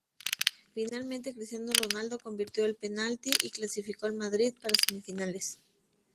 Finalmente Cristiano Ronaldo convirtió el penalti y clasificó al Madrid para semifinales.